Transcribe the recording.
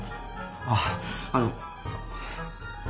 あぁあの。